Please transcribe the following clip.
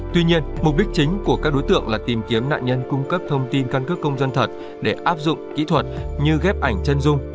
tuy nhiên mục đích chính của các đối tượng là tìm kiếm nạn nhân cung cấp thông tin căn cước công dân thật để áp dụng kỹ thuật như ghép ảnh chân dung